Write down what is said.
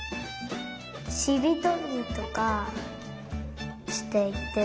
しりとりとかしていってる。